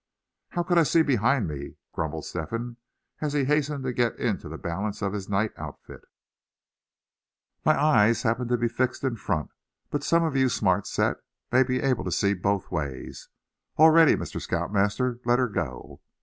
"How could I see behind me?" grumbled Step hen, as he hastened to get into the balance of his night outfit; "my eyes happen to be fixed in front; but some of you smart set may be able to see both ways. All ready, Mr. Scout Master; let her go!"